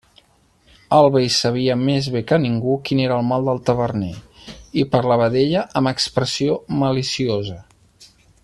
El vell sabia més bé que ningú quin era el mal del taverner, i parlava d'ella amb expressió maliciosa.